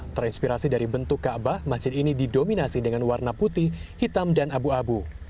terinspirasi dari bentuk ⁇ aabah masjid ini didominasi dengan warna putih hitam dan abu abu